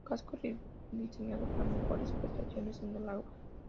Casco rediseñado para mejores prestaciones en el agua.